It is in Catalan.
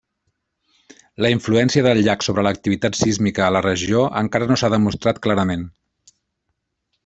La influència del llac sobre l'activitat sísmica a la regió encara no s'ha demostrat clarament.